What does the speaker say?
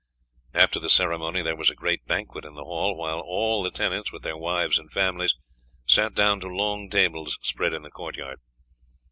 After the ceremony there was a great banquet in the hall, while all the tenants, with their wives and families, sat down to long tables spread in the court yard.